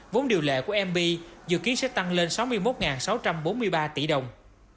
vốn điều lệ của mb dự kiến sẽ tăng lên sáu mươi một sáu trăm bốn mươi ba tỷ đồng